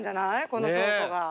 この倉庫が。